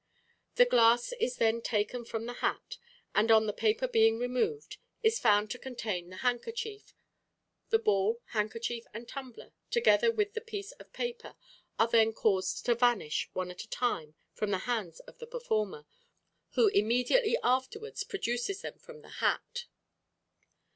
The glass is then taken from the hat, and, on the paper being removed, is found to contain the handkerchief. The ball, handkerchief, and tumbler, together with the piece of paper, are then caused to vanish, one at a time, from the hands of the performer, who immediately afterwards produces them from the hat.